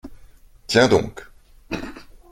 Tiens donc !